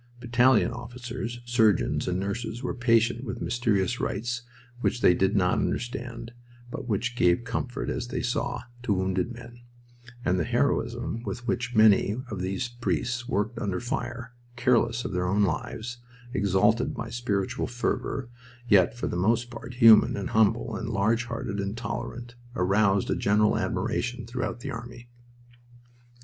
Battalion officers, surgeons, and nurses were patient with mysterious rites which they did not understand, but which gave comfort, as they saw, to wounded men; and the heroism with which many of those priests worked under fire, careless of their own lives, exalted by spiritual fervor, yet for the most part human and humble and large hearted and tolerant, aroused a general admiration throughout the army.